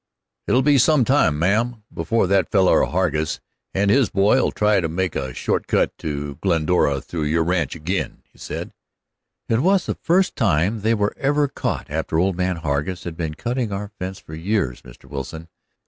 "It'll be some time, ma'am, before that feller Hargus and his boy'll try to make a short cut to Glendora through your ranch ag'in," said he. "It was the first time they were ever caught, after old man Hargus had been cutting our fence for years, Mr. Wilson.